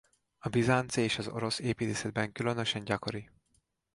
A bizánci és az orosz építészetben különösen gyakori.